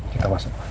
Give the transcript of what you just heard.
kita masuk ma